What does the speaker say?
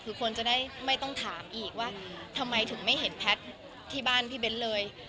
คือคนจะได้ไม่ต้องถามอีกว่าทำไมถึงไม่เห็นแพทย์ที่บ้านพี่เบ้นเลย